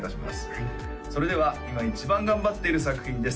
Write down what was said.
はいそれでは今一番頑張っている作品です